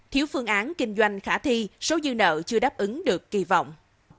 thiếu phương án kinh doanh khả thi số dư nợ chưa đáp ứng được kỳ vọng